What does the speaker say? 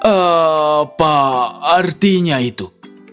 apa artinya itu